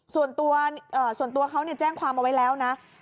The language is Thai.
ส่วนตัวเขาแจ้งความเอาไว้แล้วนะ